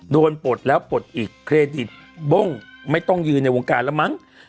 ปลดแล้วปลดอีกเครดิตบ้งไม่ต้องยืนในวงการแล้วมั้ง